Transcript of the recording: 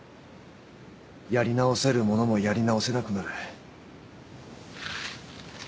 やり直せるものもやり直せなくなる。